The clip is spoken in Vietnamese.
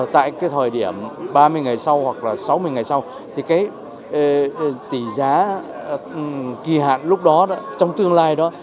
tại cái thời điểm ba mươi ngày sau hoặc là sáu mươi ngày sau thì cái tỷ giá kỳ hạn lúc đó trong tương lai đó